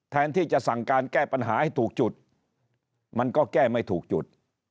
แทนที่จะสั่งการแก้ปัญหาให้ถูกจุดมันก็แก้ไม่ถูกจุด